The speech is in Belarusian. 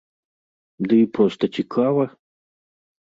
Ды і проста цікава!